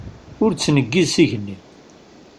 Ur ttneggiz s igenni.